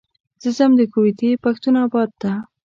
زه ځم د کوتي پښتون اباد ته.